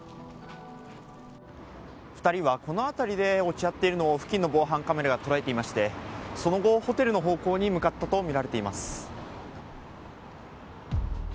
２人はこの辺りで落ち合っているのを、付近の防犯カメラが捉えていまして、その後、ホテルの方向に向かったと見られています。